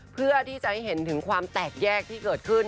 เพื่อที่จะให้เห็นถึงความแตกแยกที่เกิดขึ้น